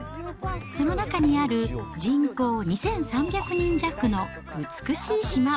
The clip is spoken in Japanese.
その中にある、人口２３００人弱の美しい島。